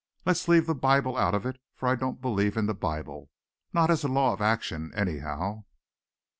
"Let's leave the Bible out of it, for I don't believe in the Bible not as a law of action anyhow.